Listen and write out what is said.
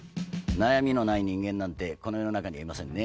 悩みのない人間なんてこの世の中にはいませんね。